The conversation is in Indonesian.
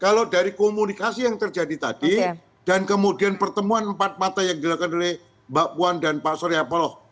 kalau dari komunikasi yang terjadi tadi dan kemudian pertemuan empat mata yang dilakukan oleh mbak puan dan pak surya paloh